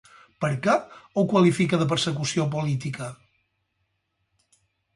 Per què ho qualifica de persecució política?